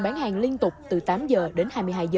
bán hàng liên tục từ tám giờ đến hai mươi hai h